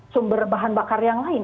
sumber bahan bakar yang lain